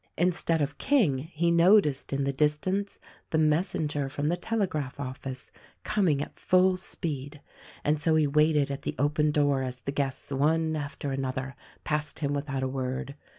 Instead of King he noticed in the distance the messenger from the telegraph office coming at full speed, and so he waited at the open door as the guests one after another passed him without a word.